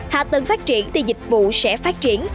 hạ tầng phát triển thì dịch vụ sẽ phát triển